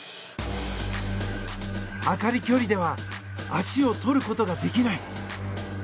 朱理距離では足をとることができない。